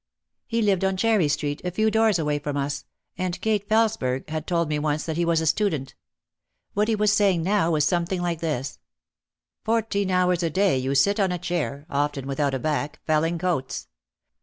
He lived on Cherry Street a few doors away from us, and Kate Felesberg had told me once that he was a "student." What he was saying now was something like this : "Fourteen hours a day you sit on a chair, often with out a back, felling coats.